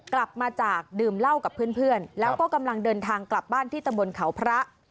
กลับมาจากดื่มเหล้ากับเพื่อนแล้วก็กำลังเดินทางกลับบ้านที่ตำบลเขาพระ